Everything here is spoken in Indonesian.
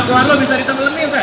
ya gua lo bisa ditenggelenin